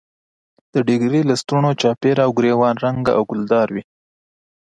د ډیګرې لستوڼو چاپېره او ګرېوان رنګه او ګلدار وي.